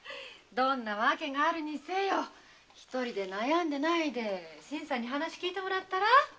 どんな訳があるにせよ一人で悩んでないで新さんに話を聞いてもらったら？